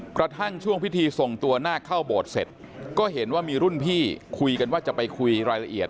กระทั่งช่วงพิธีส่งตัวนาคเข้าโบสถ์เสร็จก็เห็นว่ามีรุ่นพี่คุยกันว่าจะไปคุยรายละเอียด